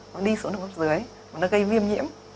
nó đi xuống đường hốp dưới và nó gây viêm nhiễm